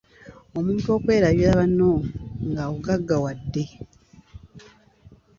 Omuntu okwerabira banno nga ogaggawadde.